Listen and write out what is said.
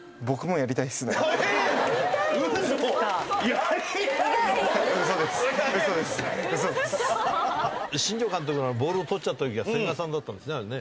やりたいの⁉新庄監督のボールを捕っちゃったときは千賀さんだったんですね。